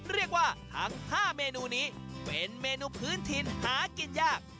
เรียกว่าทั้ง๕เมนูนี้เป็นเมนูพื้นถิ่นหากินยาก